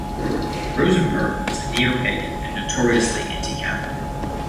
Rosenberg was a neo-pagan and notoriously anti-Catholic.